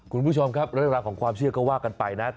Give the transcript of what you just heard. คุณผู้ชมครับเรื่องราวของความเชื่อก็ว่ากันไปนะ